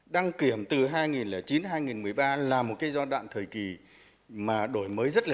đăng kiểm từ hai nghìn chín hai nghìn một mươi ba là một cái giai đoạn thời kỳ mà đổi mới rất là